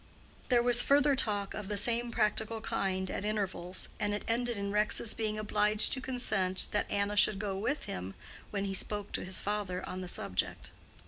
There was further talk of the same practical kind at intervals, and it ended in Rex's being obliged to consent that Anna should go with him when he spoke to his father on the subject.